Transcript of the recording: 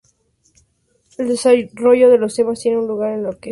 El desarrollo de los temas tiene lugar en la orquesta.